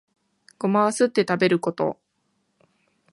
ゴマはすって食べること